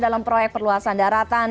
dalam proyek perluasan daratan